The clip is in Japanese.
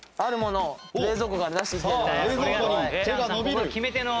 ここで決め手の。